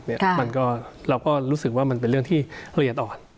เราก็รู้สึกว่ามันเป็นเรื่องที่เราเรียนต่อ